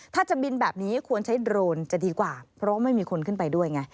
ถ้าจะบินแบบนี้ควรใช้โดรนจะดีกว่าเพราะไม่มีคนขึ้นไปด้วยไง